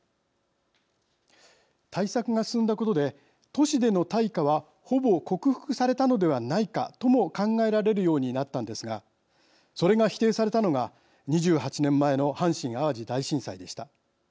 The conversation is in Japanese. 対策が進んだことで都市での大火はほぼ克服されたのではないかとも考えられるようになったんですがそれが否定されたのが２８年前の阪神・淡路大震災でした。